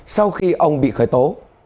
sau khi ông bị khởi tố